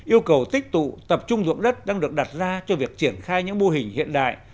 yêu cầu tích tụ tập trung dụng đất đang được đặt ra cho việc triển khai những mô hình hiện đại